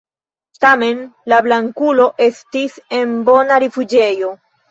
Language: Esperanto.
Tamen la Blankulo estis en bona rifuĝejo.